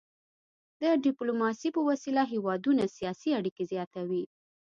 د ډيپلوماسي په وسيله هیوادونه سیاسي اړيکي زیاتوي.